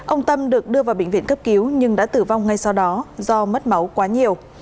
ông tâm được đưa vào bệnh viện cấp cứu nhưng đã tử vong ngay sau đó do mất máu quá nhiều